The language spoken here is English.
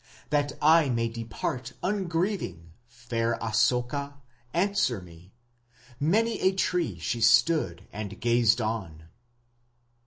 That I may depart ungrieving, fair Asoka, answer me...." Many a tree she stood and gazed on....